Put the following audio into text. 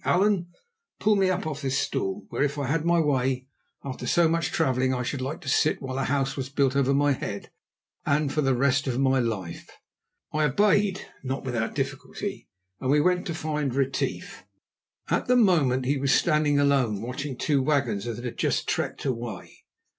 Allan, pull me up off this stool, where, if I had my way, after so much travelling, I should like to sit while a house was built over my head and for the rest of my life." I obeyed, not without difficulty, and we went to find Retief. At the moment he was standing alone, watching two wagons that had just trekked away.